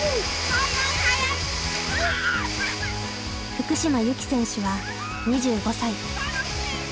福島由紀選手は２５歳。